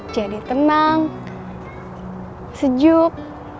jadi tenang sejuk